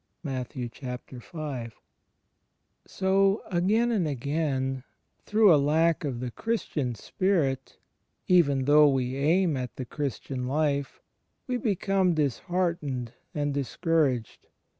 * So, again and again, through a lack of the Christian spirit, even though we aim at the Christian life, we be come disheartened and discouraged.